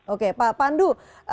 oke pak pandu